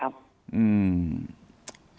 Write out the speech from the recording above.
ครับ